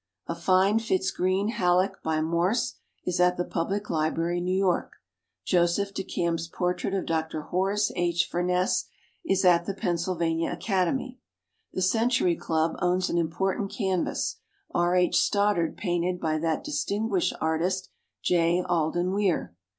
A fine Fitz Greene Halleck by Morse is at the Public Library, New York. Joseph De Camp's portrait of Dr. Horace H. Fur ness is at the Pennsylvania Academy. The Century Club owns an important canvas, R. H. Stoddard painted by that distinguished artist J. Alden Weir.